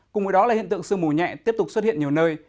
cùng với đó là hiện tượng sương mù nhẹ tiếp tục xuất hiện nhiều nơi